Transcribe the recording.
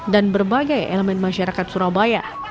dan berbagai elemen masyarakat surabaya